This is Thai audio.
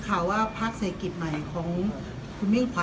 ตอนนี้มีส่วนเห็นมีข่าวว่า